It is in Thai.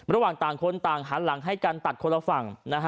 ระหว่างต่างคนต่างหันหลังให้กันตัดคนละฝั่ง